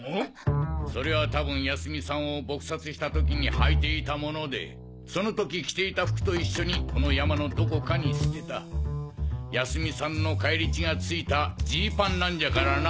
それは多分泰美さんを撲殺した時にはいていたものでその時着ていた服と一緒にこの山のどこかに捨てた泰美さんの返り血がついたジーパンなんじゃからな！